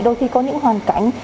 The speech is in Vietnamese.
đôi khi có những hoàn cảnh